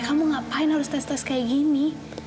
kamu ngapain harus tes tes kayak gini